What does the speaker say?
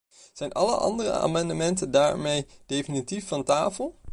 Zijn alle andere amendementen daarmee definitief van tafel?